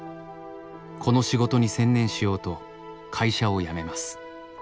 この仕事に専念しようと会社を辞めます。